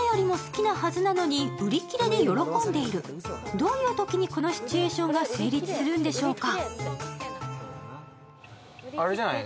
どういうときにこのシチュエーションが成立するんでしょうか？